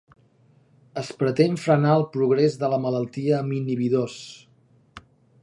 Es pretén frenar el progrés de la malaltia amb inhibidors.